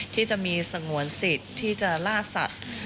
ที่จะมีสงวนสิทธิ์ที่จะล่าสัตว์